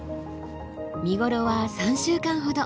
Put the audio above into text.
見頃は３週間ほど。